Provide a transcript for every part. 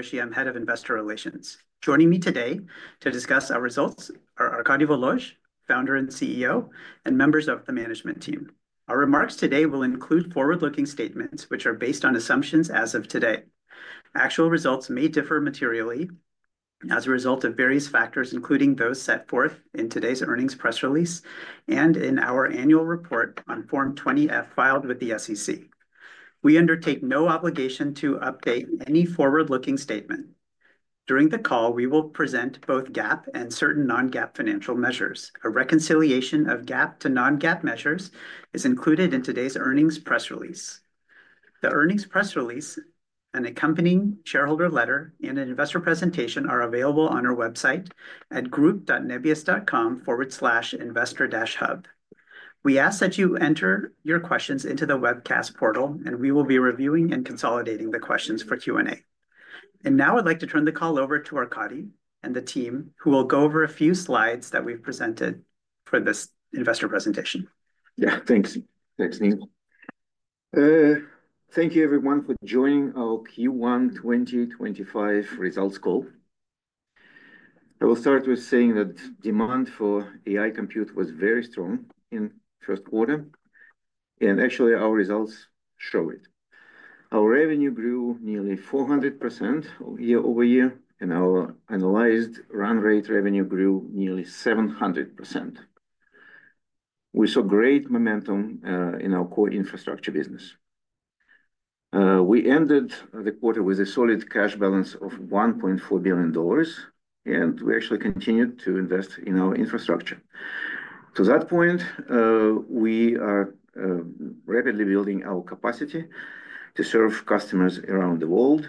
[Doshi], I'm Head of Investor Relations. Joining me today to discuss our results are Arkady Volozh, Founder and CEO, and members of the management team. Our remarks today will include forward-looking statements, which are based on assumptions as of today. Actual results may differ materially as a result of various factors, including those set forth in today's earnings press release and in our annual report on Form 20F filed with the SEC. We undertake no obligation to update any forward-looking statement. During the call, we will present both GAAP and certain non-GAAP financial measures. A reconciliation of GAAP to non-GAAP measures is included in today's earnings press release. The earnings press release, an accompanying shareholder letter, and an investor presentation are available on our website at group.nebius.com/investor-hub. We ask that you enter your questions into the webcast portal, and we will be reviewing and consolidating the questions for Q&A. I would like to turn the call over to Arkady and the team, who will go over a few slides that we have presented for this investor presentation. Yeah, thanks. Thanks, Neil. Thank you, everyone, for joining our Q1 2025 Results Call. I will start with saying that demand for AI compute was very strong in the first quarter, and actually, our results show it. Our revenue grew nearly 400% year over year, and our annualized run rate revenue grew nearly 700%. We saw great momentum in our core infrastructure business. We ended the quarter with a solid cash balance of $1.4 billion, and we actually continued to invest in our infrastructure. To that point, we are rapidly building our capacity to serve customers around the world.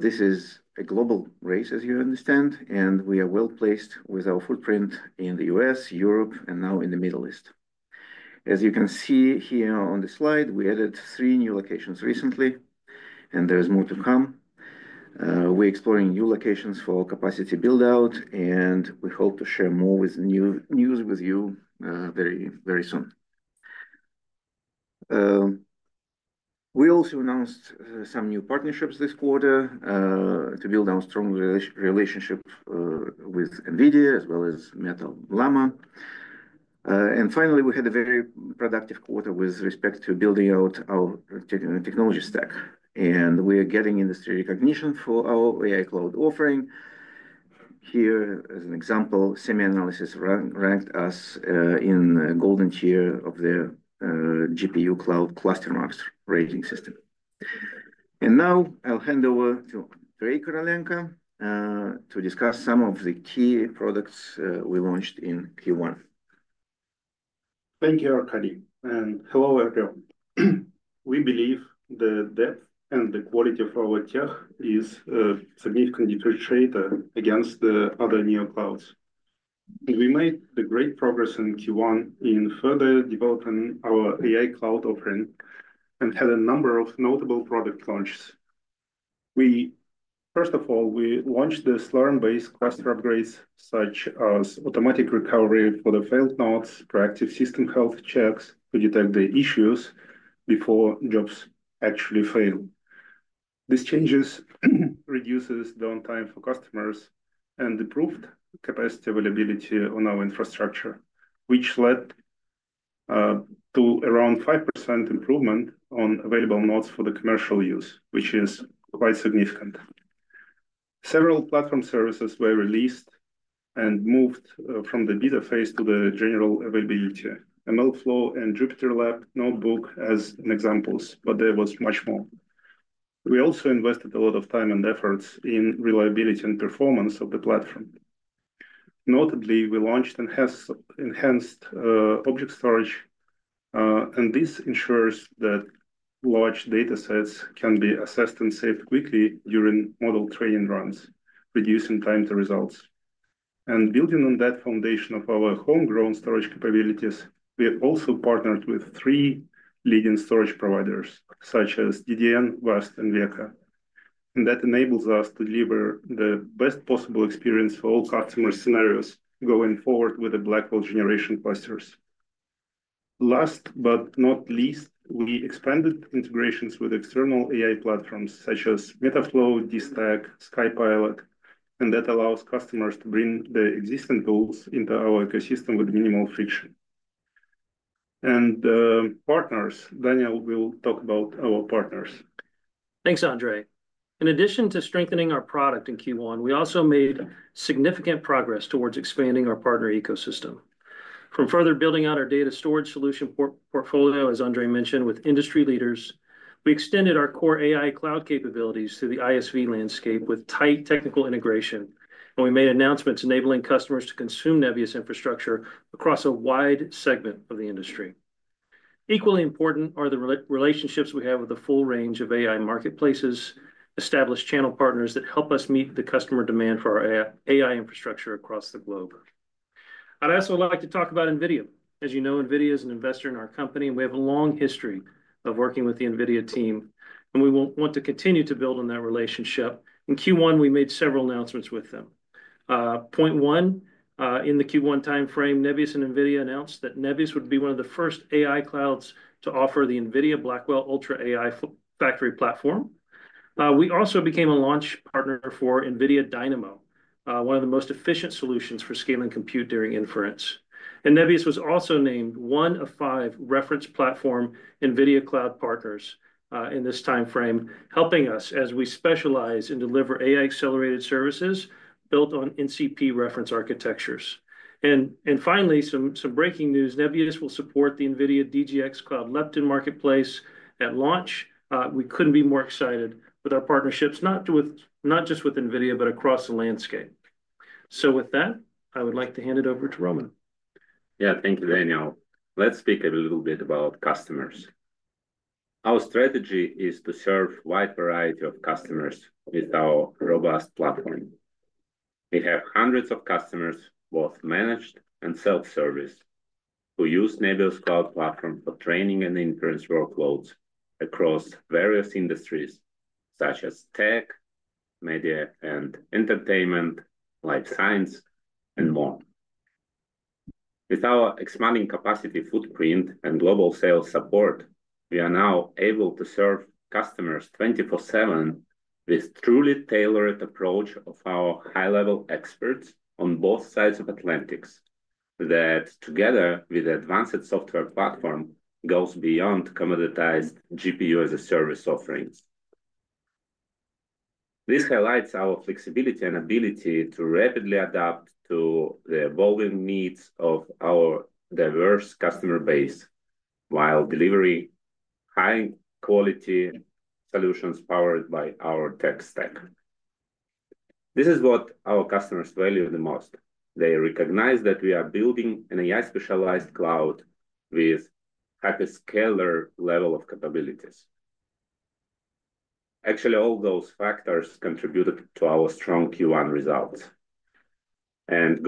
This is a global race, as you understand, and we are well placed with our footprint in the U.S., Europe, and now in the Middle East. As you can see here on the slide, we added three new locations recently, and there is more to come. We're exploring new locations for capacity build-out, and we hope to share more news with you very, very soon. We also announced some new partnerships this quarter to build our strong relationship with NVIDIA as well as Meta Llama. Finally, we had a very productive quarter with respect to building out our technology stack, and we are getting industry recognition for our AI cloud offering. Here, as an example, SemiAnalysis ranked us in the golden tier of the GPU cloud cluster marks rating system. Now I'll hand over to Andrey Korolenko to discuss some of the key products we launched in Q1. Thank you, Arkady, and hello, everyone. We believe the depth and the quality of our tech is a significant differentiator against the other new clouds. We made great progress in Q1 in further developing our AI cloud offering and had a number of notable product launches. First of all, we launched the Slurm-based cluster upgrades, such as automatic recovery for the failed nodes, proactive system health checks to detect the issues before jobs actually fail. These changes reduced downtime for customers and improved capacity availability on our infrastructure, which led to around 5% improvement on available nodes for commercial use, which is quite significant. Several platform services were released and moved from the beta phase to the general availability: MLflow and JupyterLab Notebook as examples, but there was much more. We also invested a lot of time and effort in reliability and performance of the platform. Notably, we launched and enhanced object storage, and this ensures that large datasets can be accessed and saved quickly during model training runs, reducing time to results. Building on that foundation of our homegrown storage capabilities, we have also partnered with three leading storage providers, such as DDN, VAST, and WEKA. That enables us to deliver the best possible experience for all customer scenarios going forward with the Blackwell generation clusters. Last but not least, we expanded integrations with external AI platforms, such as MLflow, DStack, SkyPilot, and that allows customers to bring the existing tools into our ecosystem with minimal friction. Partners, Daniel will talk about our partners. Thanks, Andrey. In addition to strengthening our product in Q1, we also made significant progress towards expanding our partner ecosystem. From further building out our data storage solution portfolio, as Andrey mentioned, with industry leaders, we extended our core AI cloud capabilities to the ISV landscape with tight technical integration, and we made announcements enabling customers to consume Nebius infrastructure across a wide segment of the industry. Equally important are the relationships we have with the full range of AI marketplaces, established channel partners that help us meet the customer demand for our AI infrastructure across the globe. I would also like to talk about NVIDIA. As you know, NVIDIA is an investor in our company, and we have a long history of working with the NVIDIA team, and we want to continue to build on that relationship. In Q1, we made several announcements with them. Point one, in the Q1 timeframe, Nebius and NVIDIA announced that Nebius would be one of the first AI clouds to offer the NVIDIA Blackwell Ultra AI Factory Platform. We also became a launch partner for NVIDIA Dynamo, one of the most efficient solutions for scaling compute during inference. Nebius was also named one of five reference platform NVIDIA cloud partners in this timeframe, helping us as we specialize in delivering AI-accelerated services built on NCP reference architectures. Finally, some breaking news: Nebius will support the NVIDIA DGX Cloud Lepton Marketplace at launch. We could not be more excited with our partnerships, not just with NVIDIA, but across the landscape. With that, I would like to hand it over to Roman. Yeah, thank you, Daniel. Let's speak a little bit about customers. Our strategy is to serve a wide variety of customers with our robust platform. We have hundreds of customers, both managed and self-serviced, who use Nebius Cloud Platform for training and inference workloads across various industries, such as tech, media, and entertainment, life science, and more. With our expanding capacity footprint and global sales support, we are now able to serve customers 24/7 with a truly tailored approach of our high-level experts on both sides of the Atlantic that, together with the advanced software platform, goes beyond commoditized GPU-as-a-Service offerings. This highlights our flexibility and ability to rapidly adapt to the evolving needs of our diverse customer base while delivering high-quality solutions powered by our tech stack. This is what our customers value the most. They recognize that we are building an AI-specialized cloud with a hyperscaler level of capabilities. Actually, all those factors contributed to our strong Q1 results.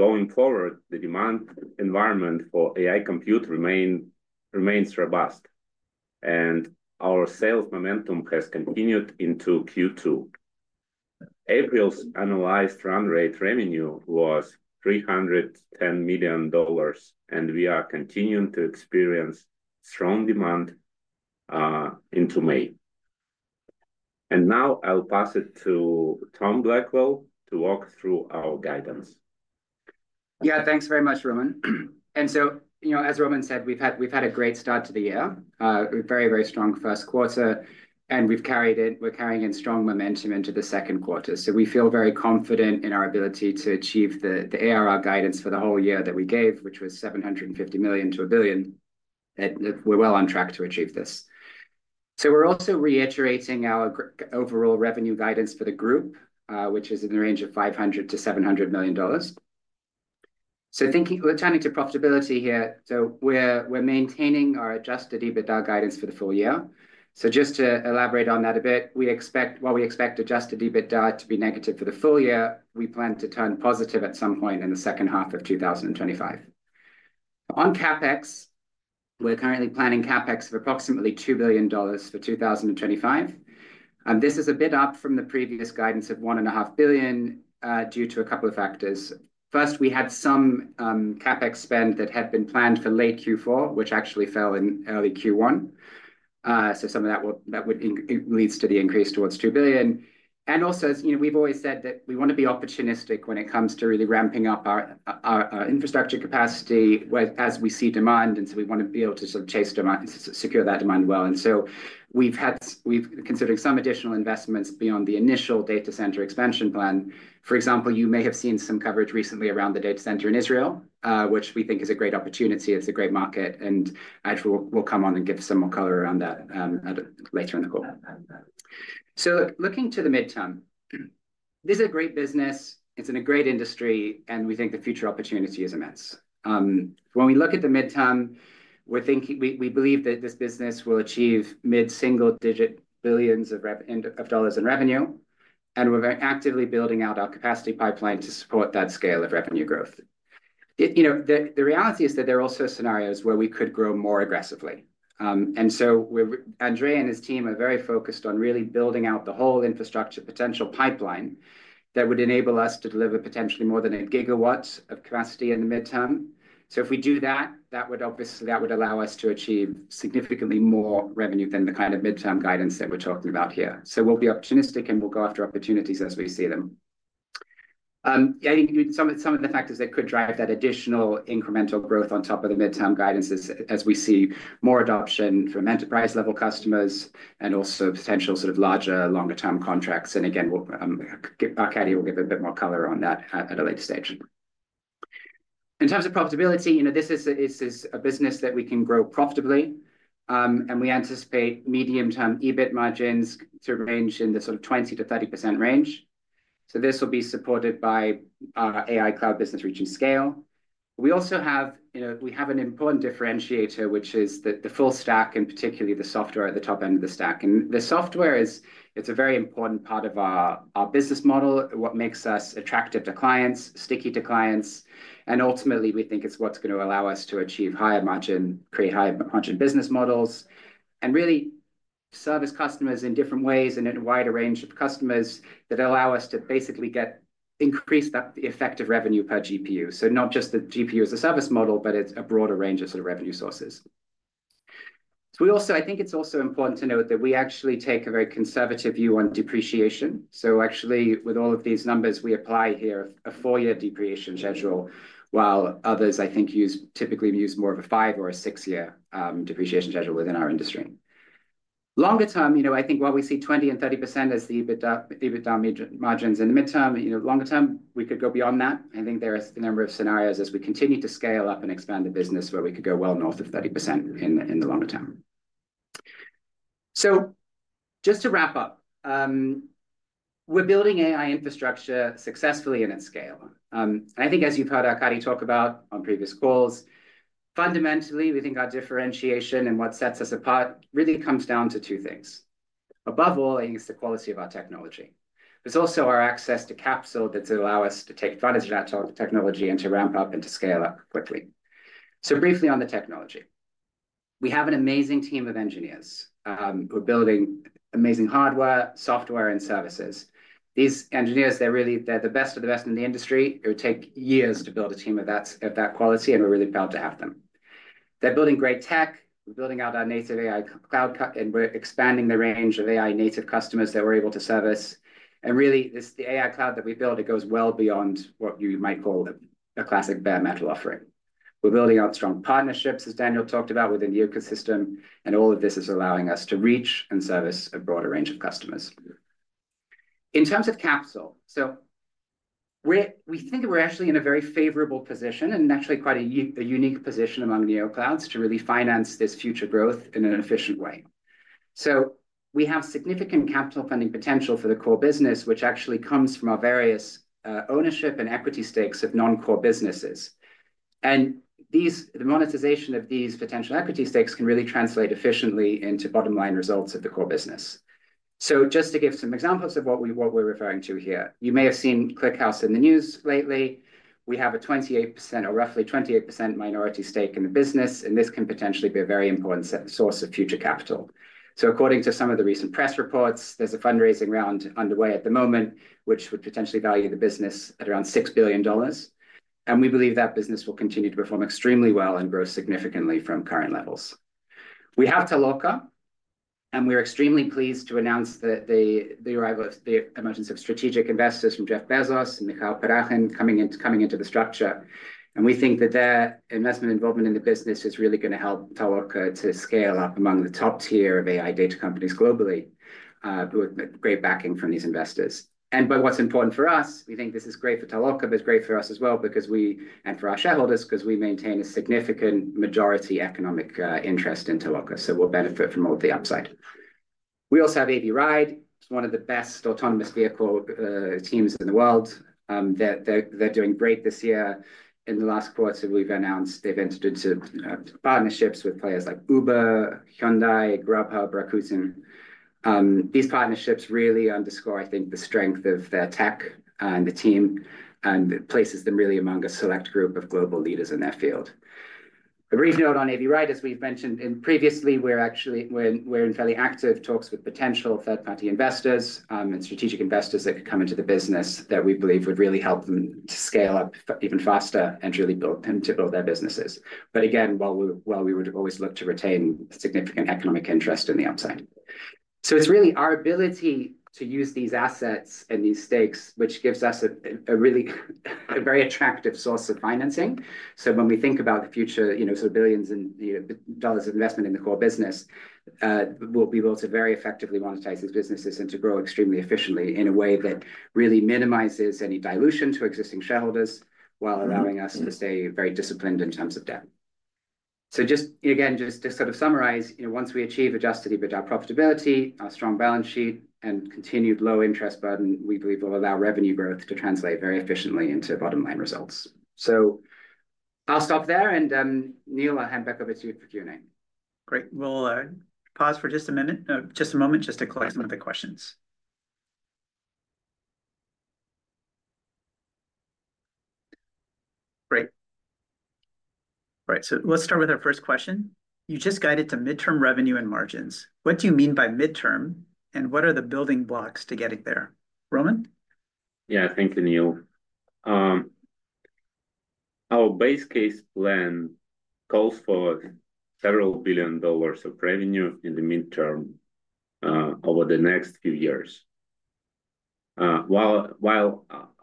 Going forward, the demand environment for AI compute remains robust, and our sales momentum has continued into Q2. April's annualized run rate revenue was $310 million, and we are continuing to experience strong demand into May. Now I'll pass it to Tom Blackwell to walk through our guidance. Yeah, thanks very much, Roman. And so, you know, as Roman said, we've had a great start to the year, a very, very strong first quarter, and we've carried in, we're carrying in strong momentum into the second quarter. We feel very confident in our ability to achieve the ARR guidance for the whole year that we gave, which was $750 million-$1 billion. We're well on track to achieve this. We're also reiterating our overall revenue guidance for the group, which is in the range of $500-$700 million. Thinking, returning to profitability here, we're maintaining our adjusted EBITDA guidance for the full year. Just to elaborate on that a bit, we expect, while we expect adjusted EBITDA to be negative for the full year, we plan to turn positive at some point in the second half of 2025. On CapEx, we're currently planning CapEx of approximately $2 billion for 2025. This is a bit up from the previous guidance of $1.5 billion due to a couple of factors. First, we had some CapEx spend that had been planned for late Q4, which actually fell in early Q1. Some of that leads to the increase towards $2 billion. Also, as you know, we've always said that we want to be opportunistic when it comes to really ramping up our infrastructure capacity as we see demand. We want to be able to sort of chase demand, secure that demand well. We've considered some additional investments beyond the initial data center expansion plan. For example, you may have seen some coverage recently around the data center in Israel, which we think is a great opportunity. It's a great market, and I will come on and give some more color around that later in the call. Looking to the midterm, this is a great business. It's in a great industry, and we think the future opportunity is immense. When we look at the midterm, we're thinking, we believe that this business will achieve mid-single-digit billions of dollars in revenue, and we're actively building out our capacity pipeline to support that scale of revenue growth. You know, the reality is that there are also scenarios where we could grow more aggressively. Andrey and his team are very focused on really building out the whole infrastructure potential pipeline that would enable us to deliver potentially more than a gigawatt of capacity in the midterm. If we do that, that would obviously allow us to achieve significantly more revenue than the kind of midterm guidance that we're talking about here. We'll be opportunistic, and we'll go after opportunities as we see them. I think some of the factors that could drive that additional incremental growth on top of the midterm guidance is as we see more adoption from enterprise-level customers and also potential sort of larger, longer-term contracts. Again, Arkady will give a bit more color on that at a later stage. In terms of profitability, you know, this is a business that we can grow profitably, and we anticipate medium-term EBIT margins to range in the sort of 20%-30% range. This will be supported by our AI cloud business reaching scale. We also have, you know, we have an important differentiator, which is the full stack, and particularly the software at the top end of the stack. The software is, it's a very important part of our business model, what makes us attractive to clients, sticky to clients. Ultimately, we think it's what's going to allow us to achieve higher margin, create higher margin business models, and really service customers in different ways and in a wider range of customers that allow us to basically get increased effective revenue per GPU. Not just the GPU-as-a-Service model, but it's a broader range of sort of revenue sources. I think it's also important to note that we actually take a very conservative view on depreciation. Actually, with all of these numbers, we apply here a four-year depreciation schedule, while others, I think, typically use more of a five- or a six-year depreciation schedule within our industry. Longer term, you know, I think while we see 20%-30% as the EBITDA margins in the midterm, you know, longer term, we could go beyond that. I think there are a number of scenarios as we continue to scale up and expand the business where we could go well north of 30% in the longer term. Just to wrap up, we're building AI infrastructure successfully in its scale. I think, as you've heard Arkady talk about on previous calls, fundamentally, we think our differentiation and what sets us apart really comes down to two things. Above all, I think it's the quality of our technology. There's also our access to Captions that's allowed us to take advantage of that technology and to ramp up and to scale up quickly. Briefly on the technology, we have an amazing team of engineers who are building amazing hardware, software, and services. These engineers, they're really, they're the best of the best in the industry. It would take years to build a team of that quality, and we're really proud to have them. They're building great tech. We're building out our native AI cloud, and we're expanding the range of AI native customers that we're able to service. Really, the AI cloud that we build, it goes well beyond what you might call a classic bare metal offering. We're building out strong partnerships, as Daniel talked about, within the ecosystem, and all of this is allowing us to reach and service a broader range of customers. In terms of capital, we think we're actually in a very favorable position and actually quite a unique position among NeoClouds to really finance this future growth in an efficient way. We have significant capital funding potential for the core business, which actually comes from our various ownership and equity stakes of non-core businesses. The monetization of these potential equity stakes can really translate efficiently into bottom-line results of the core business. Just to give some examples of what we're referring to here, you may have seen ClickHouse in the news lately. We have a 28% or roughly 28% minority stake in the business, and this can potentially be a very important source of future capital. According to some of the recent press reports, there's a fundraising round underway at the moment, which would potentially value the business at around $6 billion. We believe that business will continue to perform extremely well and grow significantly from current levels. We have Toloka, and we are extremely pleased to announce the arrival of the emergence of strategic investors from Jeff Bezos and Mikhail Parakhin coming into the structure. We think that their investment involvement in the business is really going to help Toloka to scale up among the top tier of AI data companies globally with great backing from these investors. By what is important for us, we think this is great for Toloka, but it is great for us as well because we, and for our shareholders, maintain a significant majority economic interest in Toloka. We will benefit from all the upside. We also have Avride. It is one of the best autonomous vehicle teams in the world. They are doing great this year. In the last quarter, we've announced they've entered into partnerships with players like Uber, Hyundai, Grab, Rakuten. These partnerships really underscore, I think, the strength of their tech and the team and places them really among a select group of global leaders in their field. A brief note on Avride, as we've mentioned previously, we're actually, we're in fairly active talks with potential third-party investors and strategic investors that could come into the business that we believe would really help them to scale up even faster and really build them to build their businesses. While we would always look to retain significant economic interest in the upside. It is really our ability to use these assets and these stakes, which gives us a really very attractive source of financing. When we think about the future, you know, sort of billions in dollars of investment in the core business, we'll be able to very effectively monetize these businesses and to grow extremely efficiently in a way that really minimizes any dilution to existing shareholders while allowing us to stay very disciplined in terms of debt. Just, again, just to sort of summarize, you know, once we achieve adjusted EBITDA profitability, our strong balance sheet and continued low interest burden, we believe will allow revenue growth to translate very efficiently into bottom-line results. I'll stop there, and Neil, I'll hand back over to you for Q&A. Great. We'll pause for just a minute, just a moment, just to collect some of the questions. Great. All right. So let's start with our first question. You just guided to midterm revenue and margins. What do you mean by midterm, and what are the building blocks to getting there? Roman? Yeah, thank you, Neil. Our base case plan calls for several billion dollars of revenue in the midterm over the next few years. While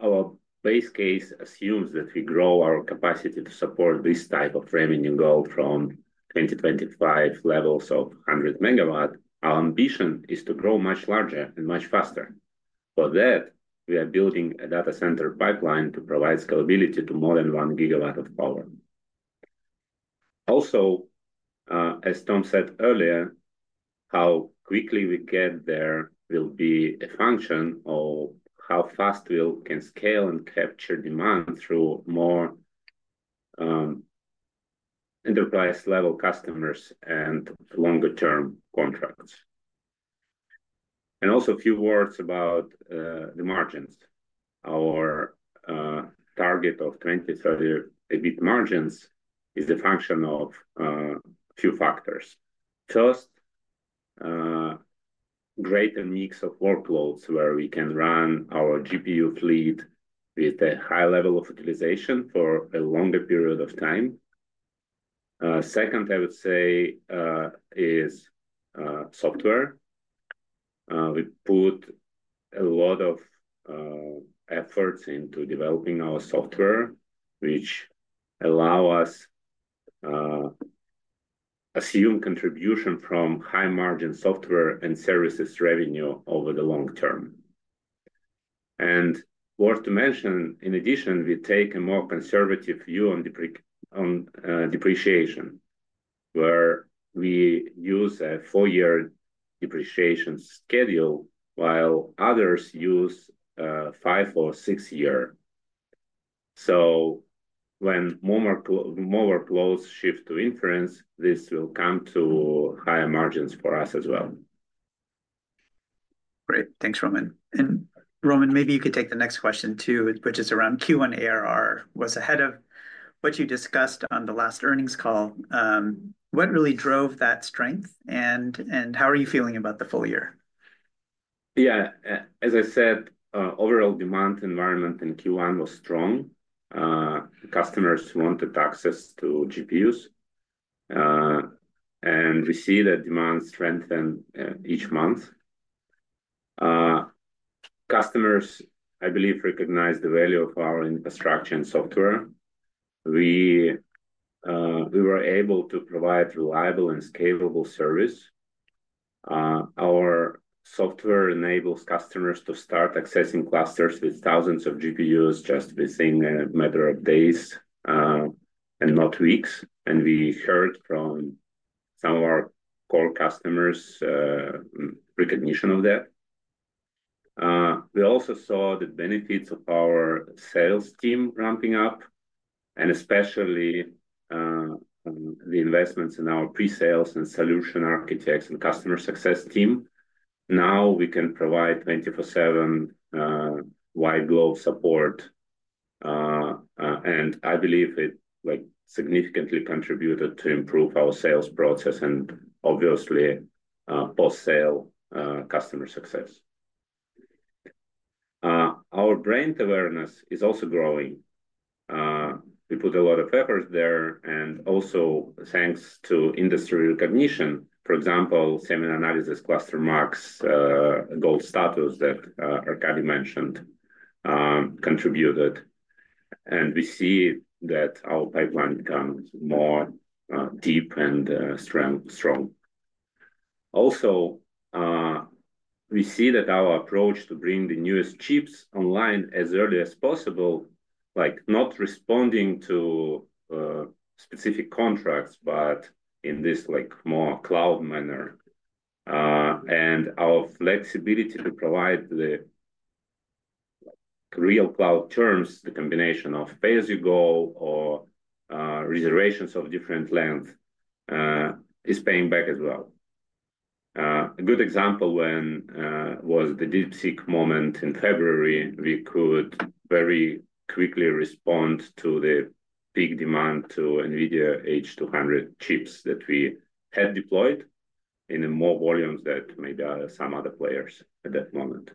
our base case assumes that we grow our capacity to support this type of revenue goal from 2025 levels of 100 MW, our ambition is to grow much larger and much faster. For that, we are building a data center pipeline to provide scalability to more than 1 GW of power. Also, as Tom said earlier, how quickly we get there will be a function of how fast we can scale and capture demand through more enterprise-level customers and longer-term contracts. Also, a few words about the margins. Our target of 2030 EBIT margins is the function of a few factors. First, greater mix of workloads where we can run our GPU fleet with a high level of utilization for a longer period of time. Second, I would say is software. We put a lot of efforts into developing our software, which allows us to assume contribution from high-margin software and services revenue over the long term. It is worth to mention, in addition, we take a more conservative view on depreciation, where we use a four-year depreciation schedule, while others use a five or six-year. When more workloads shift to inference, this will come to higher margins for us as well. Great. Thanks, Roman. Roman, maybe you could take the next question too, which is around Q1 ARR. Was ahead of what you discussed on the last earnings call. What really drove that strength, and how are you feeling about the full year? Yeah, as I said, overall demand environment in Q1 was strong. Customers wanted access to GPUs, and we see that demand strengthened each month. Customers, I believe, recognize the value of our infrastructure and software. We were able to provide reliable and scalable service. Our software enables customers to start accessing clusters with thousands of GPUs just within a matter of days and not weeks. We heard from some of our core customers recognition of that. We also saw the benefits of our sales team ramping up, and especially the investments in our pre-sales and solution architects and customer success team. Now we can provide 24/7 white-glove support, and I believe it significantly contributed to improve our sales process and obviously post-sale customer success. Our brand awareness is also growing. We put a lot of effort there, and also thanks to industry recognition, for example, SemiAnalysis cluster marks, gold status that Arkady mentioned, contributed. We see that our pipeline becomes more deep and strong. We also see that our approach to bring the newest chips online as early as possible, like not responding to specific contracts, but in this more cloud manner, and our flexibility to provide the real cloud terms, the combination of pay-as-you-go or reservations of different length is paying back as well. A good example was the DeepSeek moment in February. We could very quickly respond to the peak demand to NVIDIA H200 chips that we had deployed in more volumes than maybe some other players at that moment.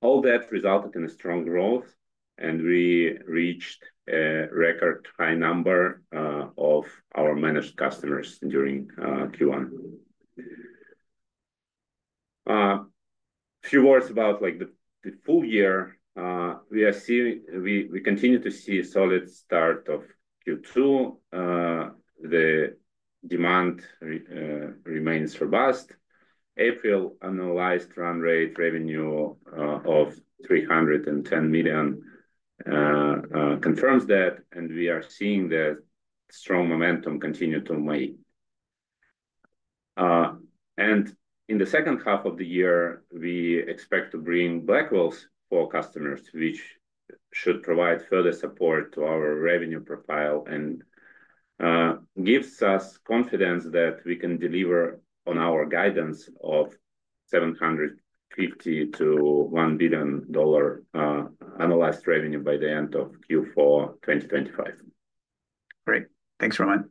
All that resulted in a strong growth, and we reached a record high number of our managed customers during Q1. A few words about the full year. We continue to see a solid start of Q2. The demand remains robust. April annualized run rate revenue of $310 million confirms that, and we are seeing that strong momentum continue to remain. In the second half of the year, we expect to bring Blackwells for customers, which should provide further support to our revenue profile and gives us confidence that we can deliver on our guidance of $750 million-$1 billion annualized revenue by the end of Q4 2025. Great. Thanks, Roman.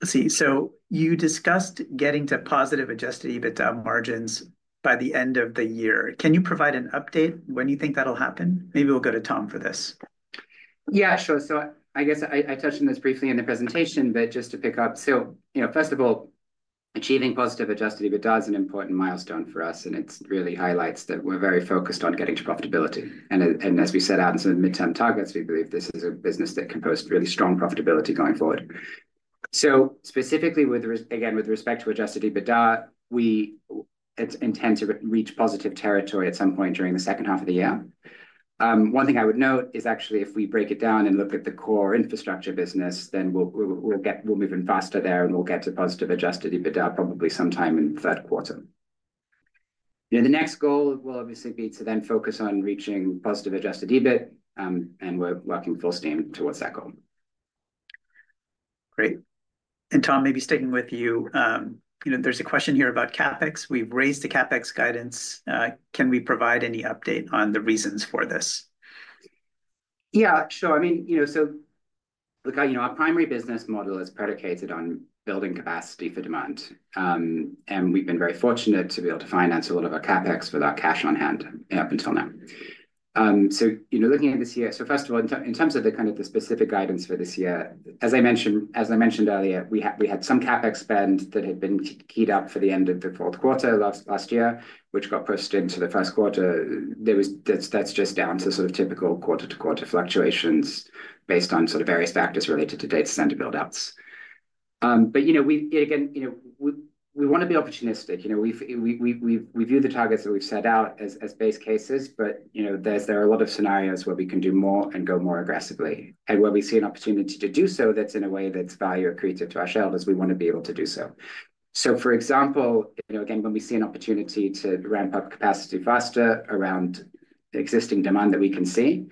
Let's see. So you discussed getting to positive adjusted EBITDA margins by the end of the year. Can you provide an update when you think that'll happen? Maybe we'll go to Tom for this. Yeah, sure. I guess I touched on this briefly in the presentation, but just to pick up. First of all, achieving positive adjusted EBITDA is an important milestone for us, and it really highlights that we're very focused on getting to profitability. As we set out in some of the midterm targets, we believe this is a business that can post really strong profitability going forward. Specifically, again, with respect to adjusted EBITDA, we intend to reach positive territory at some point during the second half of the year. One thing I would note is actually if we break it down and look at the core infrastructure business, then we'll move in faster there and we'll get to positive adjusted EBITDA probably sometime in the third quarter. The next goal will obviously be to then focus on reaching positive adjusted EBITDA, and we're working full steam towards that goal. Great. Tom, maybe sticking with you, there is a question here about CapEx. We have raised the CapEx guidance. Can we provide any update on the reasons for this? Yeah, sure. I mean, so look, our primary business model is predicated on building capacity for demand, and we've been very fortunate to be able to finance a lot of our CapEx without cash on hand up until now. Looking at this year, first of all, in terms of the kind of the specific guidance for this year, as I mentioned earlier, we had some CapEx spend that had been keyed up for the end of the fourth quarter last year, which got pushed into the first quarter. That is just down to sort of typical quarter-to-quarter fluctuations based on various factors related to data center buildouts. Again, we want to be opportunistic. We view the targets that we've set out as base cases, but there are a lot of scenarios where we can do more and go more aggressively. Where we see an opportunity to do so that's in a way that's value accretive to our shareholders, we want to be able to do so. For example, again, when we see an opportunity to ramp up capacity faster around existing demand that we can see,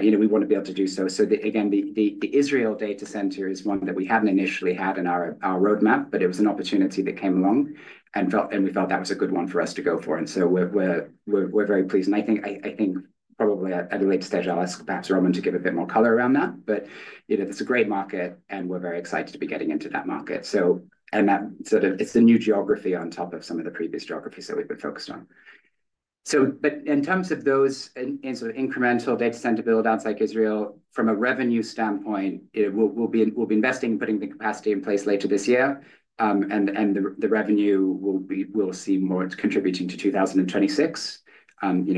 we want to be able to do so. The Israel data center is one that we hadn't initially had in our roadmap, but it was an opportunity that came along, and we felt that was a good one for us to go for. We're very pleased. I think probably at a later stage, I'll ask perhaps Roman to give a bit more color around that. It's a great market, and we're very excited to be getting into that market. It's the new geography on top of some of the previous geographies that we've been focused on. In terms of those sort of incremental data center buildouts like Israel, from a revenue standpoint, we'll be investing in putting the capacity in place later this year. The revenue we'll see more contributing to 2026,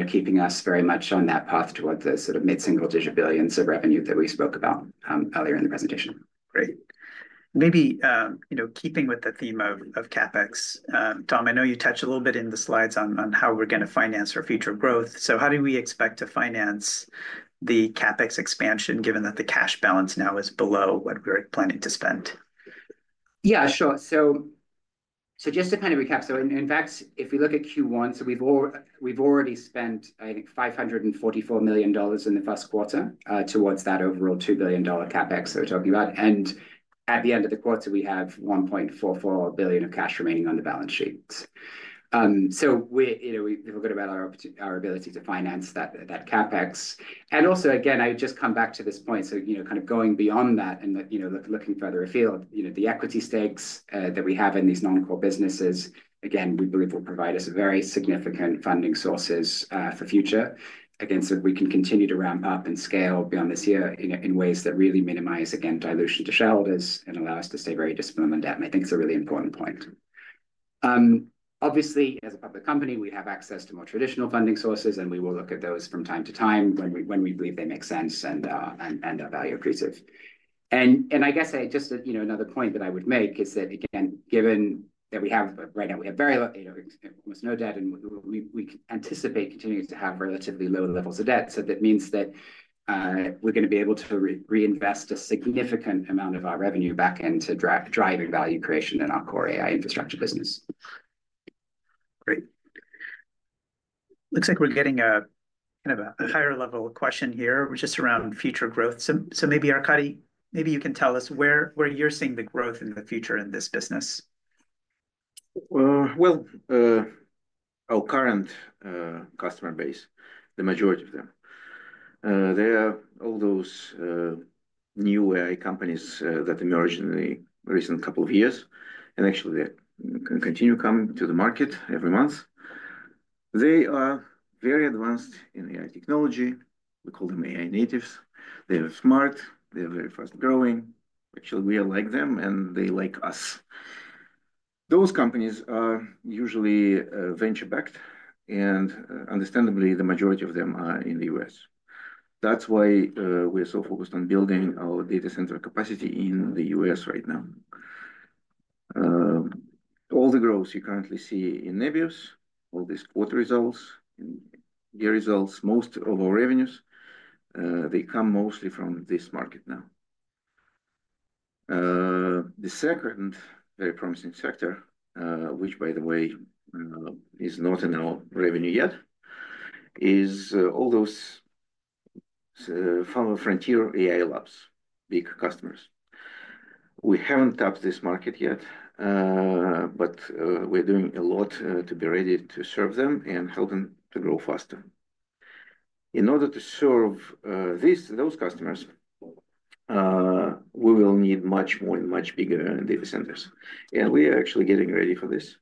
keeping us very much on that path towards the sort of mid-single digit billions of revenue that we spoke about earlier in the presentation. Great. Maybe keeping with the theme of CapEx, Tom, I know you touched a little bit in the slides on how we're going to finance our future growth. How do we expect to finance the CapEx expansion given that the cash balance now is below what we're planning to spend? Yeah, sure. Just to kind of recap, in fact, if we look at Q1, we've already spent, I think, $544 million in the first quarter towards that overall $2 billion CapEx that we're talking about. At the end of the quarter, we have $1.44 billion of cash remaining on the balance sheet. We're good about our ability to finance that CapEx. Also, again, I just come back to this point. Kind of going beyond that and looking further afield, the equity stakes that we have in these non-core businesses, again, we believe will provide us with very significant funding sources for future. Again, we can continue to ramp up and scale beyond this year in ways that really minimize, again, dilution to shareholders and allow us to stay very disciplined on debt. I think it's a really important point. Obviously, as a public company, we have access to more traditional funding sources, and we will look at those from time to time when we believe they make sense and are value accretive. I guess just another point that I would make is that, again, given that we have right now, we have very little, almost no debt, and we anticipate continuing to have relatively low levels of debt. That means that we're going to be able to reinvest a significant amount of our revenue back into driving value creation in our core AI infrastructure business. Great. Looks like we're getting a kind of a higher-level question here, which is around future growth. Maybe, Arkady, maybe you can tell us where you're seeing the growth in the future in this business. Our current customer base, the majority of them, they are all those new AI companies that emerged in the recent couple of years and actually continue coming to the market every month. They are very advanced in AI technology. We call them AI natives. They are smart. They are very fast growing. Actually, we like them, and they like us. Those companies are usually venture-backed, and understandably, the majority of them are in the U.S. That's why we are so focused on building our data center capacity in the U.S. right now. All the growth you currently see in Nebius, all these quarter results, year results, most of our revenues, they come mostly from this market now. The second very promising sector, which, by the way, is not in our revenue yet, is all those far more frontier AI labs, big customers. We haven't touched this market yet, but we're doing a lot to be ready to serve them and help them to grow faster. In order to serve those customers, we will need much more and much bigger data centers. We are actually getting ready for this.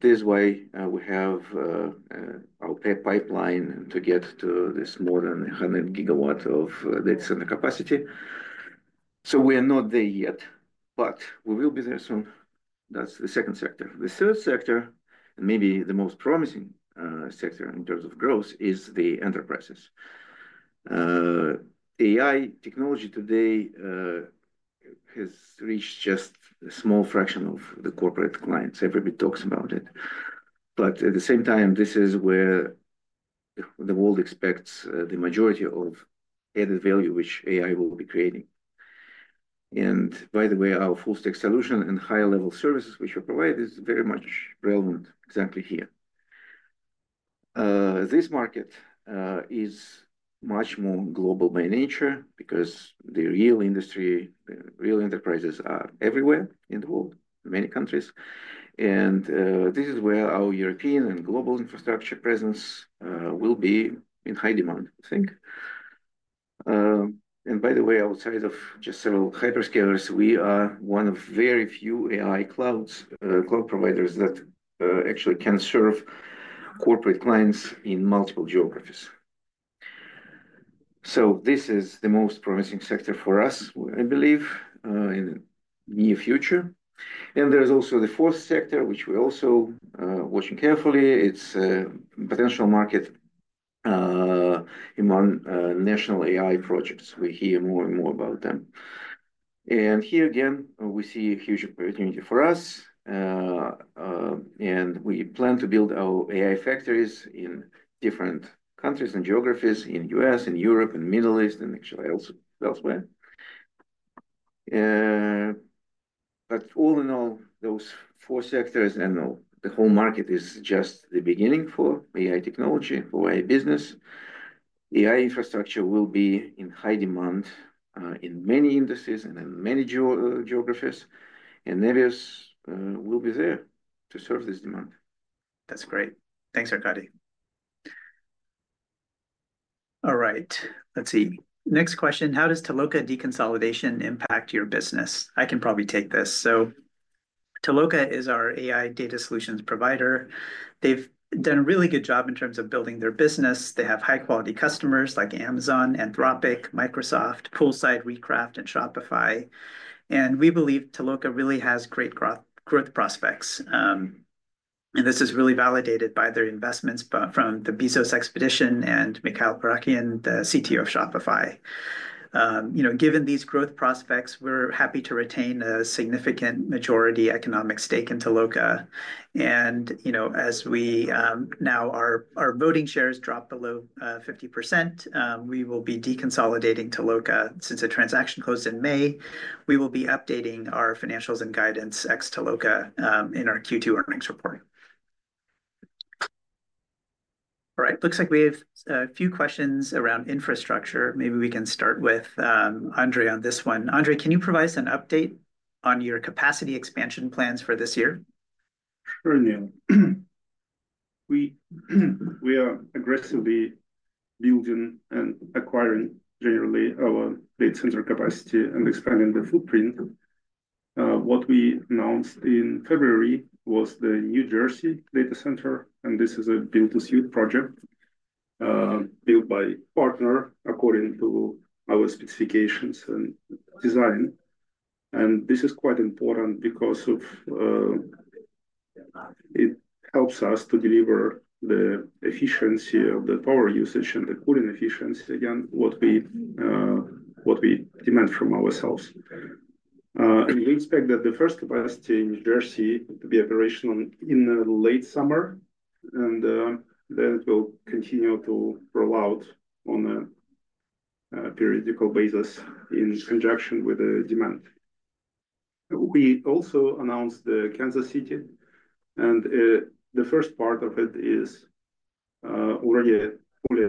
This is why we have our pipeline to get to this more than 100 GW of data center capacity. We are not there yet, but we will be there soon. That's the second sector. The third sector, and maybe the most promising sector in terms of growth, is the enterprises. AI technology today has reached just a small fraction of the corporate clients. Everybody talks about it. At the same time, this is where the world expects the majority of added value, which AI will be creating. By the way, our full-stack solution and higher-level services, which we provide, is very much relevant exactly here. This market is much more global by nature because the real industry, the real enterprises are everywhere in the world, in many countries. This is where our European and global infrastructure presence will be in high demand, I think. By the way, outside of just several hyperscalers, we are one of very few AI cloud providers that actually can serve corporate clients in multiple geographies. This is the most promising sector for us, I believe, in the near future. There is also the fourth sector, which we're also watching carefully. It's a potential market among national AI projects. We hear more and more about them. Here, again, we see a huge opportunity for us. We plan to build our AI factories in different countries and geographies, in the U.S., in Europe, in the Middle East, and actually elsewhere. All in all, those four sectors and the whole market is just the beginning for AI technology, for AI business. AI infrastructure will be in high demand in many industries and in many geographies. Nebius will be there to serve this demand. That's great. Thanks, Arkady. All right. Let's see. Next question. How does Toloka deconsolidation impact your business? I can probably take this. So Toloka is our AI data solutions provider. They've done a really good job in terms of building their business. They have high-quality customers like Amazon, Anthropic, Microsoft, Poolside, Recraft, and Shopify. We believe Toloka really has great growth prospects. This is really validated by their investments from the Bezos Expeditions and Mikhail Parakhin, the CTO of Shopify. Given these growth prospects, we're happy to retain a significant majority economic stake in Toloka. As our voting shares drop below 50%, we will be deconsolidating Toloka. Since the transaction closed in May, we will be updating our financials and guidance ex Toloka in our Q2 earnings report. All right. Looks like we have a few questions around infrastructure. Maybe we can start with Andrey on this one. Andrey, can you provide us an update on your capacity expansion plans for this year? Sure, Neil. We are aggressively building and acquiring, generally, our data center capacity and expanding the footprint. What we announced in February was the New Jersey data center. This is a built-to-suit project built by a partner according to our specifications and design. This is quite important because it helps us to deliver the efficiency of the power usage and the cooling efficiency, again, what we demand from ourselves. We expect that the first capacity in New Jersey to be operational in the late summer. It will continue to roll out on a periodical basis in conjunction with the demand. We also announced the Kansas City. The first part of it is already fully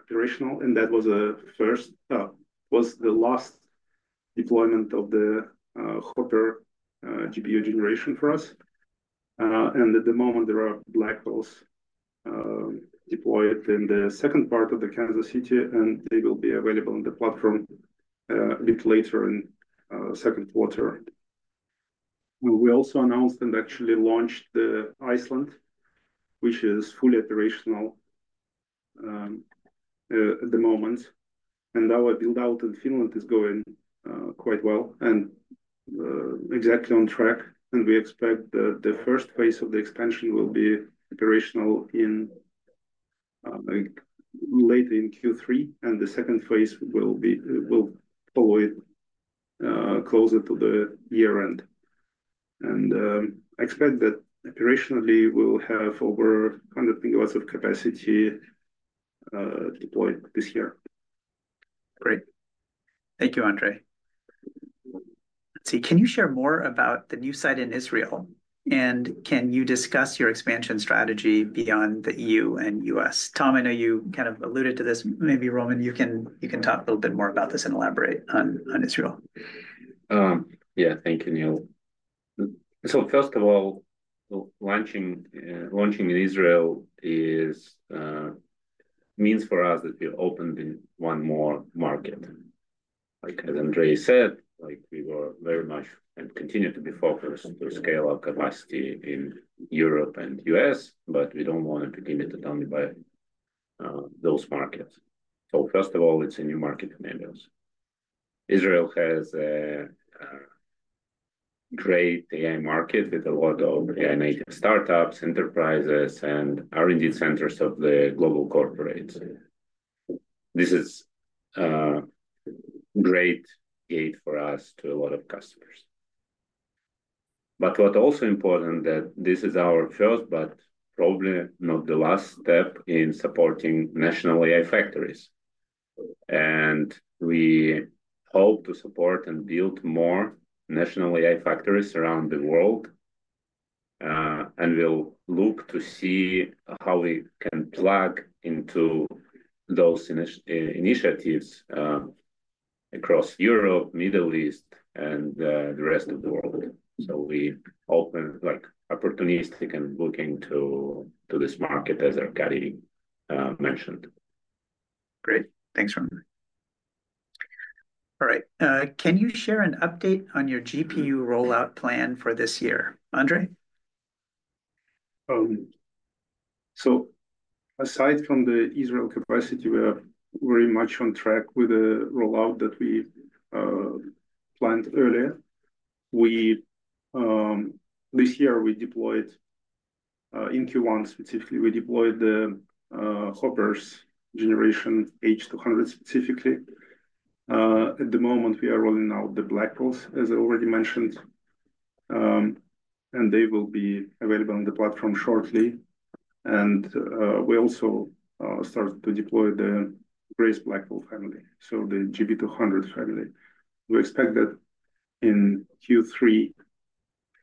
operational. That was the last deployment of the Hopper GPU generation for us. At the moment, there are Blackwells deployed in the second part of the Kansas City. They will be available on the platform a bit later in the second quarter. We also announced and actually launched Iceland, which is fully operational at the moment. Our buildout in Finland is going quite well and exactly on track. We expect that the first phase of the expansion will be operational later in Q3. The second phase will follow it closer to the year end. I expect that operationally, we'll have over 100 MW of capacity deployed this year. Great. Thank you, Andrey. Let's see. Can you share more about the new site in Israel? Can you discuss your expansion strategy beyond the EU and U.S.? Tom, I know you kind of alluded to this. Maybe Roman, you can talk a little bit more about this and elaborate on Israel. Yeah, thank you, Neil. First of all, launching in Israel means for us that we're opening one more market. Like Andrey said, we were very much and continue to be focused to scale our capacity in Europe and the US, but we do not want to be limited only by those markets. First of all, it's a new market in Nebius. Israel has a great AI market with a lot of AI-native startups, enterprises, and R&D centers of the global corporates. This is a great gate for us to a lot of customers. What's also important is that this is our first, but probably not the last step in supporting national AI factories. We hope to support and build more national AI factories around the world. We will look to see how we can plug into those initiatives across Europe, the Middle East, and the rest of the world. We are opportunistic and looking to this market, as Arkady mentioned. Great. Thanks, Roman. All right. Can you share an update on your GPU rollout plan for this year, Andrey? Aside from the Israel capacity, we are very much on track with the rollout that we planned earlier. This year, in Q1 specifically, we deployed the Hoppers generation, H200 specifically. At the moment, we are rolling out the Blackwells, as I already mentioned. They will be available on the platform shortly. We also started to deploy the Grace Blackwell family, so the GB200 family. We expect that in Q3,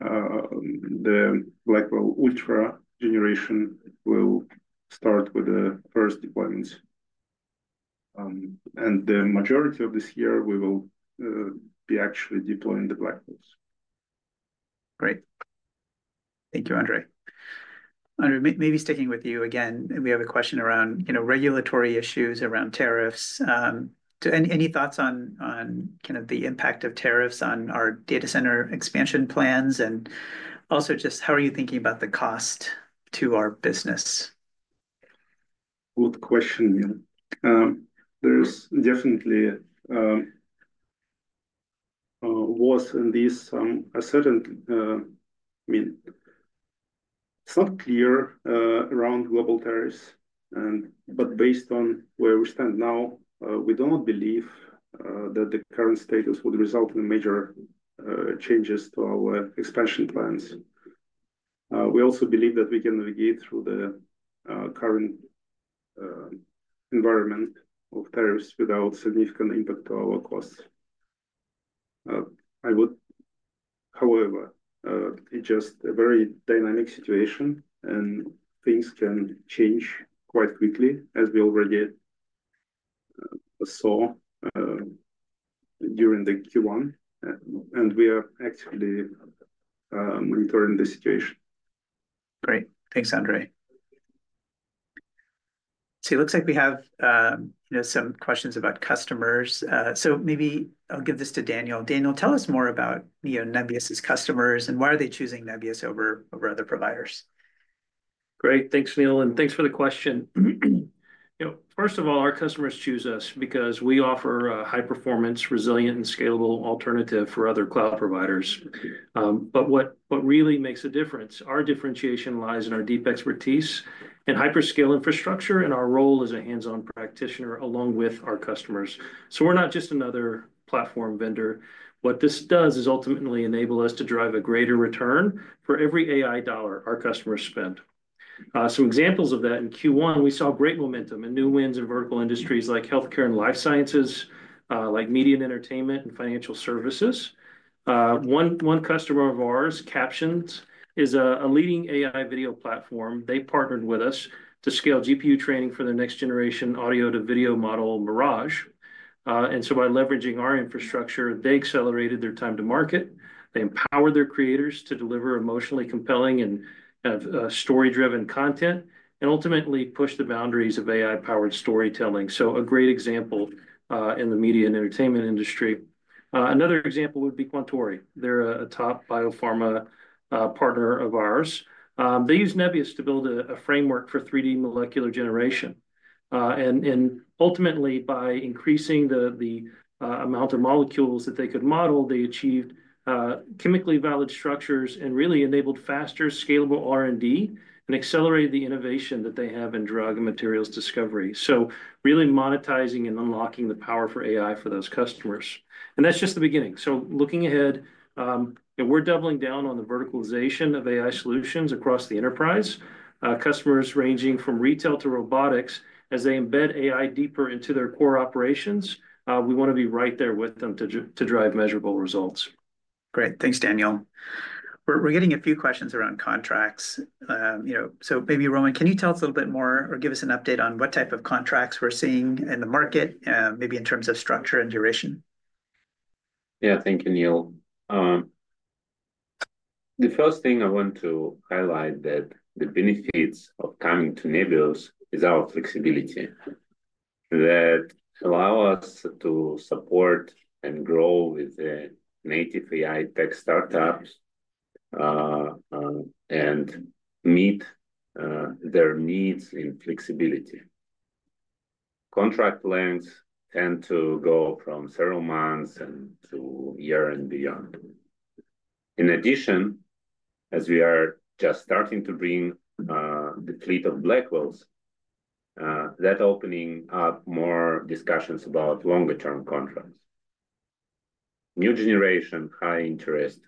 the Blackwell Ultra generation will start with the first deployments. The majority of this year, we will be actually deploying the Blackwells. Great. Thank you, Andrey. Andrey, maybe sticking with you again, we have a question around regulatory issues around tariffs. Any thoughts on kind of the impact of tariffs on our data center expansion plans? Also just how are you thinking about the cost to our business? Good question, Neil. There's definitely wars in this. I mean, it's not clear around global tariffs. Based on where we stand now, we do not believe that the current status would result in major changes to our expansion plans. We also believe that we can navigate through the current environment of tariffs without significant impact to our costs. However, it's just a very dynamic situation. Things can change quite quickly, as we already saw during Q1. We are actively monitoring the situation. Great. Thanks, Andrey. It looks like we have some questions about customers. Maybe I'll give this to Daniel. Daniel, tell us more about Nebius's customers and why are they choosing Nebius over other providers. Great. Thanks, Neil. And thanks for the question. First of all, our customers choose us because we offer a high-performance, resilient, and scalable alternative for other cloud providers. What really makes a difference, our differentiation lies in our deep expertise and hyperscale infrastructure and our role as a hands-on practitioner along with our customers. We are not just another platform vendor. What this does is ultimately enable us to drive a greater return for every AI dollar our customers spend. Some examples of that in Q1, we saw great momentum and new wins in vertical industries like healthcare and life sciences, like media and entertainment and financial services. One customer of ours, Captions, is a leading AI video platform. They partnered with us to scale GPU training for the next-generation audio-to-video model Mirage. By leveraging our infrastructure, they accelerated their time to market. They empowered their creators to deliver emotionally compelling and story-driven content and ultimately pushed the boundaries of AI-powered storytelling. A great example in the media and entertainment industry. Another example would be Quantori. They're a top biopharma partner of ours. They used Nebius to build a framework for 3D molecular generation. Ultimately, by increasing the amount of molecules that they could model, they achieved chemically valid structures and really enabled faster, scalable R&D and accelerated the innovation that they have in drug and materials discovery. Really monetizing and unlocking the power for AI for those customers. That's just the beginning. Looking ahead, we're doubling down on the verticalization of AI solutions across the enterprise. Customers ranging from retail to robotics, as they embed AI deeper into their core operations, we want to be right there with them to drive measurable results. Great. Thanks, Daniel. We're getting a few questions around contracts. Maybe, Roman, can you tell us a little bit more or give us an update on what type of contracts we're seeing in the market, maybe in terms of structure and duration? Yeah, thank you, Neil. The first thing I want to highlight is that the benefits of coming to Nebius is our flexibility that allows us to support and grow with the native AI tech startups and meet their needs in flexibility. Contract lengths tend to go from several months to a year and beyond. In addition, as we are just starting to bring the fleet of Blackwells, that's opening up more discussions about longer-term contracts. New generation, high interest.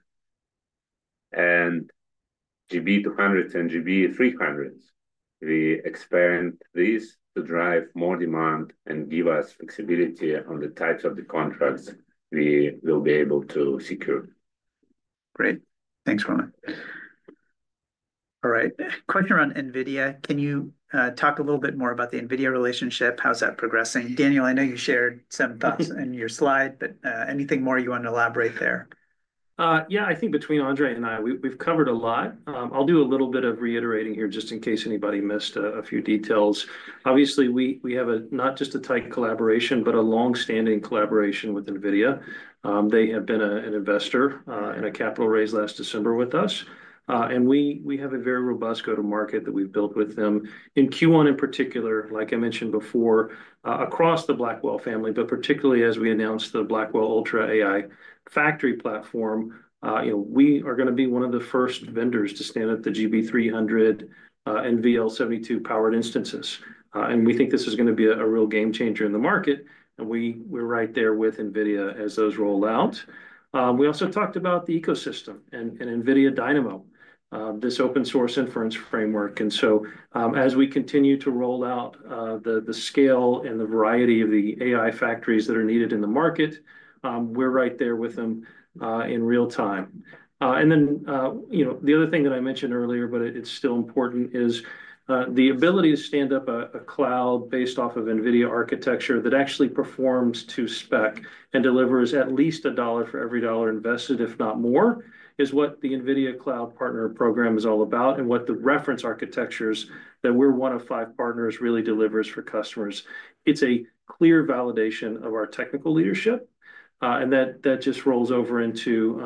And GB200s and GB300s, we expand these to drive more demand and give us flexibility on the types of the contracts we will be able to secure. Great. Thanks, Roman. All right. Question around NVIDIA. Can you talk a little bit more about the NVIDIA relationship? How's that progressing? Daniel, I know you shared some thoughts in your slide, but anything more you want to elaborate there? Yeah, I think between Andrey and I, we've covered a lot. I'll do a little bit of reiterating here just in case anybody missed a few details. Obviously, we have not just a tight collaboration, but a long-standing collaboration with NVIDIA. They have been an investor in a capital raise last December with us. We have a very robust go-to-market that we've built with them. In Q1 in particular, like I mentioned before, across the Blackwell family, but particularly as we announced the Blackwell Ultra AI Factory Platform, we are going to be one of the first vendors to stand up the GB300 NVL72 powered instances. We think this is going to be a real game changer in the market. We're right there with NVIDIA as those roll out. We also talked about the ecosystem and NVIDIA Dynamo, this open-source inference framework. As we continue to roll out the scale and the variety of the AI factories that are needed in the market, we're right there with them in real time. The other thing that I mentioned earlier, but it's still important, is the ability to stand up a cloud based off of NVIDIA architecture that actually performs to spec and delivers at least a dollar for every dollar invested, if not more, is what the NVIDIA Cloud Partner Program is all about and what the reference architectures that we're one of five partners really delivers for customers. It's a clear validation of our technical leadership. That just rolls over into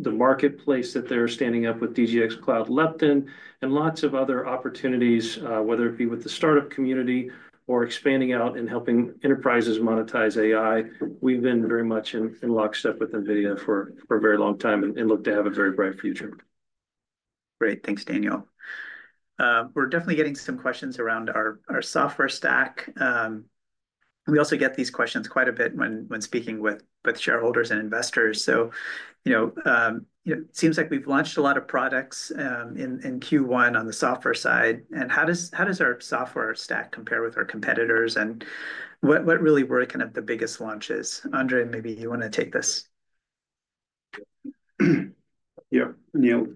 the marketplace that they're standing up with DGX Cloud Lepton and lots of other opportunities, whether it be with the startup community or expanding out and helping enterprises monetize AI. We've been very much in lockstep with NVIDIA for a very long time and look to have a very bright future. Great. Thanks, Daniel. We're definitely getting some questions around our software stack. We also get these questions quite a bit when speaking with shareholders and investors. It seems like we've launched a lot of products in Q1 on the software side. How does our software stack compare with our competitors? What really were kind of the biggest launches? Andrey, maybe you want to take this. Yeah, Neil.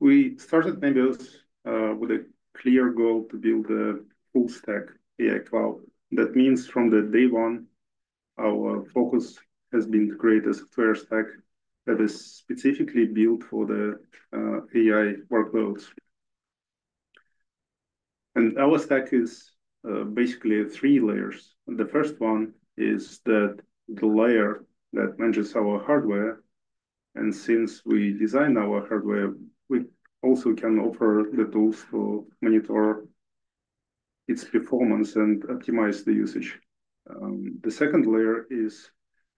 We started Nebius with a clear goal to build a full-stack AI cloud. That means from day one, our focus has been to create a software stack that is specifically built for the AI workloads. And our stack is basically three layers. The first one is the layer that manages our hardware. And since we design our hardware, we also can offer the tools to monitor its performance and optimize the usage. The second layer is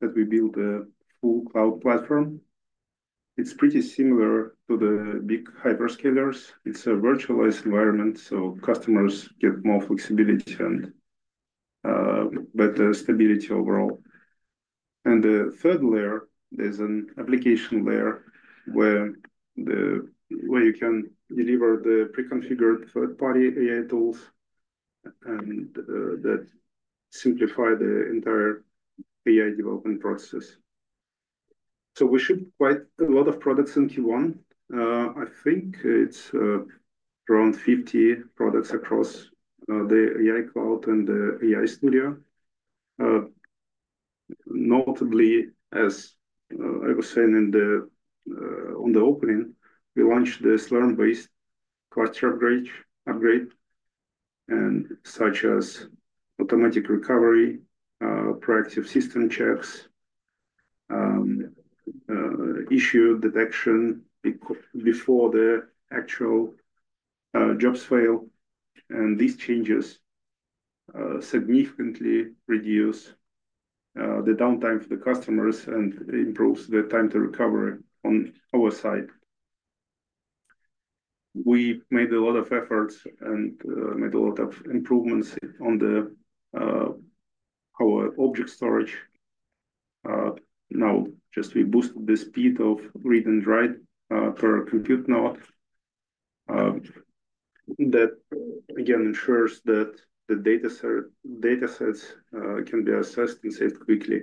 that we build a full cloud platform. It's pretty similar to the big hyperscalers. It's a virtualized environment, so customers get more flexibility and better stability overall. The third layer, there's an application layer where you can deliver the pre-configured third-party AI tools that simplify the entire AI development process. We shipped quite a lot of products in Q1. I think it's around 50 products across the AI cloud and the AI Studio. Notably, as I was saying on the opening, we launched the Slurm-based cluster upgrade, such as automatic recovery, proactive system checks, issue detection before the actual jobs fail. These changes significantly reduce the downtime for the customers and improve the time to recovery on our side. We made a lot of efforts and made a lot of improvements on our object storage. Now, we boosted the speed of read and write per compute node. That, again, ensures that the data sets can be accessed and saved quickly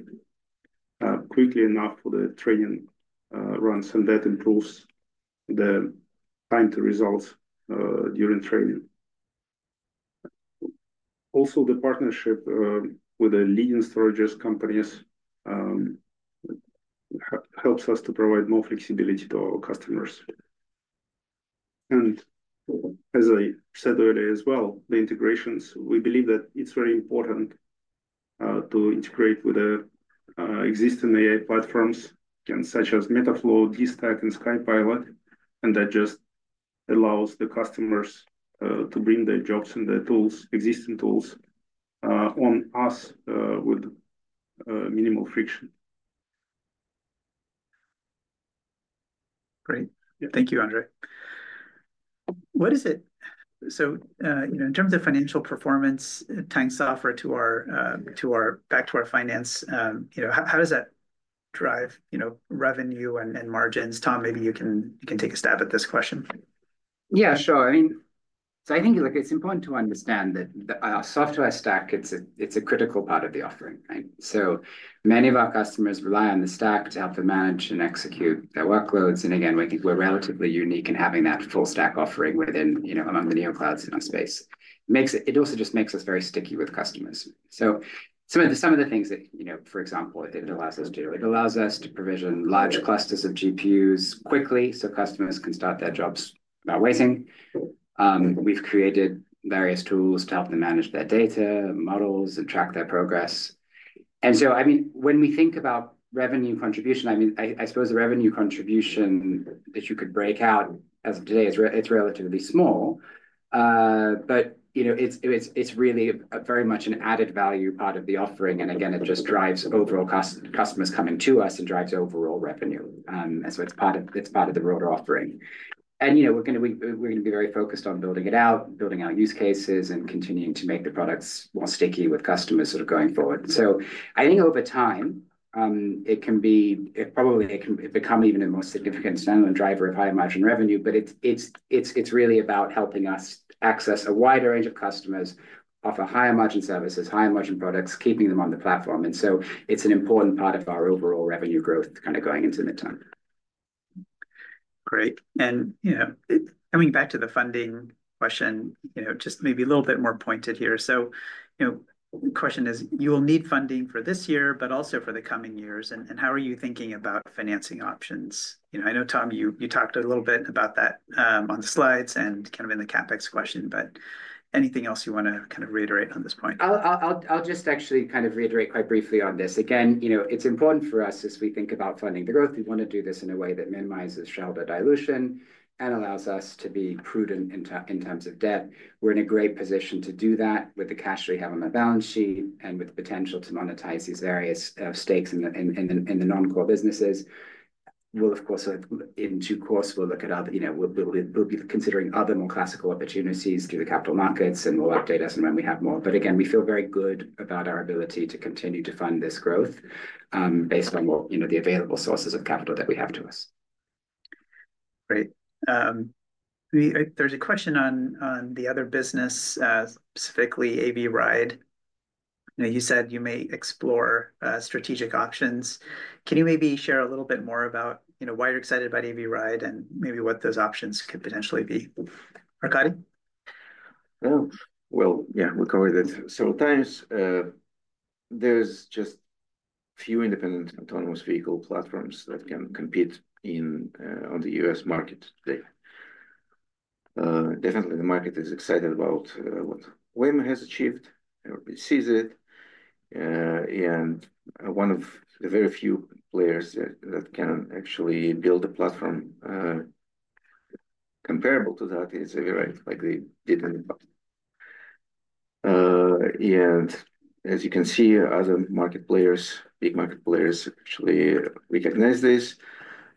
enough for the training runs. That improves the time to results during training. Also, the partnership with the leading storage companies helps us to provide more flexibility to our customers. As I said earlier as well, the integrations, we believe that it's very important to integrate with the existing AI platforms, such as MLflow, DStack, and SkyPilot. That just allows the customers to bring their jobs and their existing tools on us with minimal friction. Great. Thank you, Andrey. What is it? So in terms of financial performance, tying software back to our finance, how does that drive revenue and margins? Tom, maybe you can take a stab at this question. Yeah, sure. I mean, so I think it's important to understand that our software stack, it's a critical part of the offering. So many of our customers rely on the stack to help them manage and execute their workloads. And again, we're relatively unique in having that full-stack offering among the NeoClouds in our space. It also just makes us very sticky with customers. So some of the things that, for example, it allows us to do, it allows us to provision large clusters of GPUs quickly so customers can start their jobs without waiting. We've created various tools to help them manage their data, models, and track their progress. And so, I mean, when we think about revenue contribution, I mean, I suppose the revenue contribution that you could break out as of today, it's relatively small. But it's really very much an added value part of the offering. It just drives overall customers coming to us and drives overall revenue. It is part of the broader offering. We are going to be very focused on building it out, building our use cases, and continuing to make the products more sticky with customers going forward. I think over time, it can probably become even a more significant standalone driver of high margin revenue. It is really about helping us access a wider range of customers, offer higher margin services, higher margin products, and keep them on the platform. It is an important part of our overall revenue growth going into midterm. Great. Coming back to the funding question, just maybe a little bit more pointed here. The question is, you will need funding for this year, but also for the coming years. How are you thinking about financing options? I know, Tom, you talked a little bit about that on the slides and kind of in the CapEx question, but anything else you want to kind of reiterate on this point? I'll just actually kind of reiterate quite briefly on this. Again, it's important for us as we think about funding the growth. We want to do this in a way that minimizes shareholder dilution and allows us to be prudent in terms of debt. We're in a great position to do that with the cash we have on the balance sheet and with the potential to monetize these various stakes in the non-core businesses. Of course, in due course, we'll be considering other more classical opportunities through the capital markets, and we'll update you when we have more. Again, we feel very good about our ability to continue to fund this growth based on the available sources of capital that we have to us. Great. There is a question on the other business, specifically Avride. You said you may explore strategic options. Can you maybe share a little bit more about why you are excited about Avride and maybe what those options could potentially be? Arkady? Yeah, we'll cover that. At times, there's just a few independent autonomous vehicle platforms that can compete on the US market today. Definitely, the market is excited about what Waymo has achieved or sees it. One of the very few players that can actually build a platform comparable to that is Avride, like they did in the past. As you can see, other market players, big market players, actually recognize this.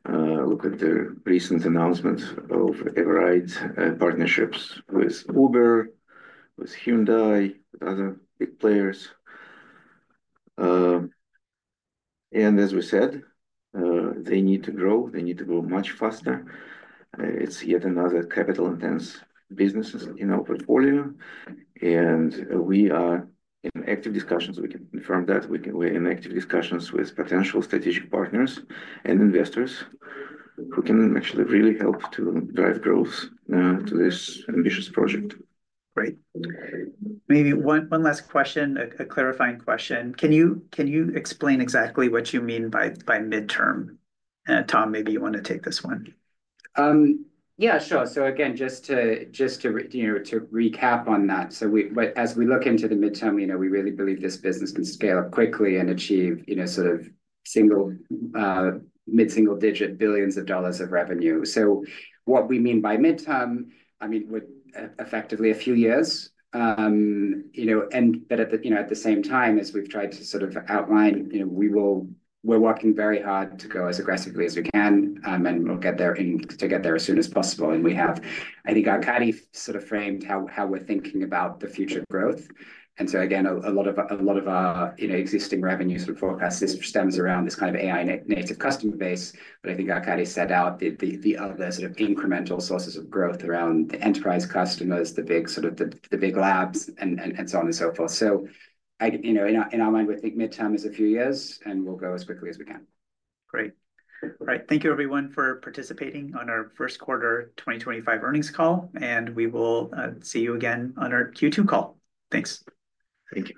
Look at the recent announcement of Avride partnerships with Uber, with Hyundai, with other big players. As we said, they need to grow. They need to grow much faster. It's yet another capital-intense business in our portfolio. We are in active discussions. We can confirm that we're in active discussions with potential strategic partners and investors who can actually really help to drive growth to this ambitious project. Great. Maybe one last question, a clarifying question. Can you explain exactly what you mean by midterm? Tom, maybe you want to take this one. Yeah, sure. So again, just to recap on that, as we look into the midterm, we really believe this business can scale up quickly and achieve sort of mid-single-digit billions of dollars of revenue. What we mean by midterm, I mean, would effectively be a few years. At the same time, as we've tried to sort of outline, we're working very hard to go as aggressively as we can, and we'll get there to get there as soon as possible. We have, I think, Arkady sort of framed how we're thinking about the future growth. Again, a lot of our existing revenues and forecasts stem around this kind of AI-native customer base. I think Arkady set out the other sort of incremental sources of growth around the enterprise customers, the big labs, and so on and so forth. In our mind, we think midterm is a few years, and we'll go as quickly as we can. Great. All right. Thank you, everyone, for participating on our First Quarter 2025 Earnings Call. We will see you again on our Q2 call. Thanks. Thank you.